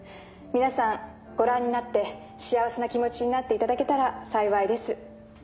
皆さんご覧になって幸せな気持ちになって頂けたら幸いです。